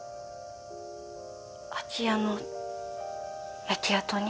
空き家の焼け跡に？